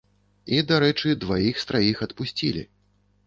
І, дарэчы, дваіх з траіх адпусцілі!